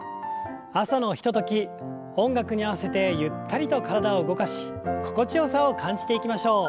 朝のひととき音楽に合わせてゆったりと体を動かし心地よさを感じていきましょう。